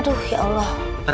aduh ya allah